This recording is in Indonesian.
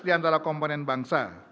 dan menambahkan kepentingan kepentingan